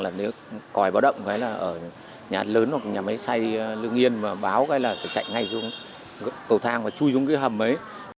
là nếu còi báo động hay là ở nhà lớn hoặc nhà máy xay lương yên mà báo hay là phải chạy ngay cầu thang và chui xuống cái hầm ấy